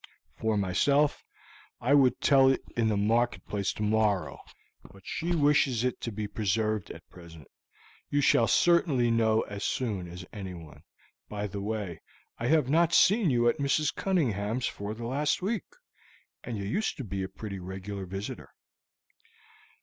For myself, I would tell it in the market place tomorrow, but she wishes it to be preserved at present; you shall certainly know as soon as anyone. By the way, I have not seen you at Mrs. Cunningham's for the last week, and you used to be a pretty regular visitor."